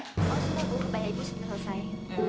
oh sudah bu kebaya ibu sudah selesai